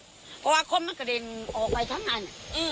เพราะว่าคมมันกระเด็นออกไปทั้งอัน